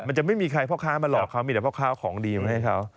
จะไม่มีใครพ่อค้ามาหลอกเขามีแต่พ่อค้าของดีมาให้เขา